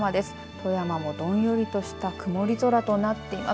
富山も、どんよりとした曇り空となっています。